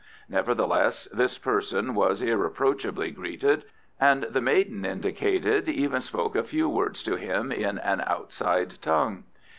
Nevertheless, this person was irreproachably greeted, and the maiden indicated even spoke a few words to him in an outside tongue.